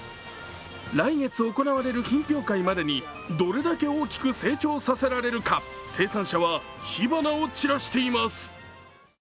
来月行われる品評会までにどれだけ大きく成長させられるか生産者は火花を散らしています。